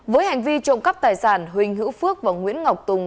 với hành vi trộm cắp tài sản huỳnh hữu phước và nguyễn ngọc tùng